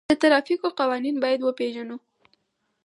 د ترافیکو قوانین باید وپیژنو.